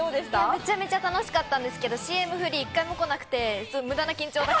めちゃめちゃ楽しかったんですけど、ＣＭ振り１回も来なくてムダな緊張が。